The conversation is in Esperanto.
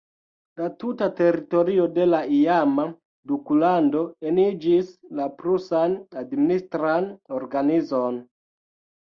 La tuta teritorio de la iama duklando eniĝis la prusan administran organizon.